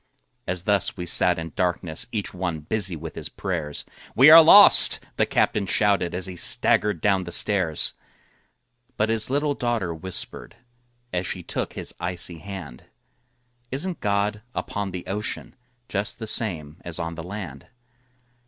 As thus we sat in darkness Each one busy with his prayers, "We are lost!" the captain shouted, As he staggered down the stairs. But his little daughter whispered, As she took his icy hand, "Isn't God upon the ocean, Just the same as on the land?"